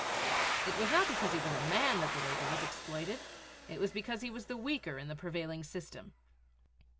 It was not because he was a man that the labor was exploited it was because he was the weaker in the prevailing system.